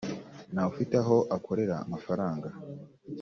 ntawufite aho akorera amafaranga